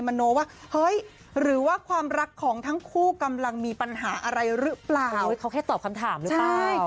โนว่าเฮ้ยหรือว่าความรักของทั้งคู่กำลังมีปัญหาอะไรหรือเปล่าเขาแค่ตอบคำถามหรือเปล่า